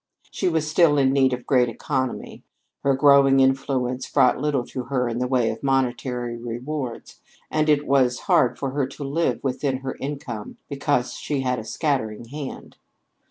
She was still in need of great economy. Her growing influence brought little to her in the way of monetary rewards, and it was hard for her to live within her income because she had a scattering hand.